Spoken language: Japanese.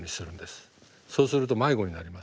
そうすると迷子になります。